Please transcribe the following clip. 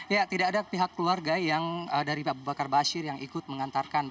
ya tidak ada pihak keluarga yang dari aba bakar aba asyir yang ikut mengantarkan